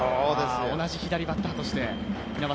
同じ左バッターとして。